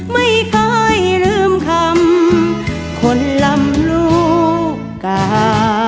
ไม่เคยลืมคำคนลำลูกกา